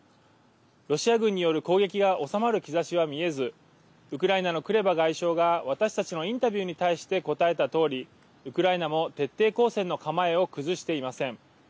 ロシア軍による攻撃が収まる兆しは見えずウクライナのクレバ外相が私たちのインタビューに対して答えたとおりウクライナも徹底抗戦の構えを崩していません。